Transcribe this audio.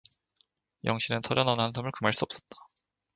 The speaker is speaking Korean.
영신은 터져 나오는 한숨을 금할 수 없었다.